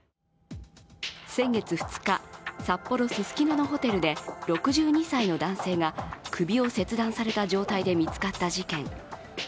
先月２日、札幌・ススキノのホテルで、６２歳の男性が首を切断された状態で見つかった事件。